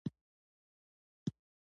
احمدشاه بابا به د علماوو درناوی کاوه.